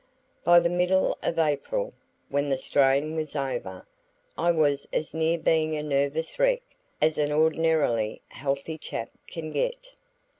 By the middle of April, when the strain was over, I was as near being a nervous wreck as an ordinarily healthy chap can get.